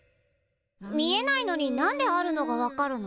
見えないのに何であるのが分かるの？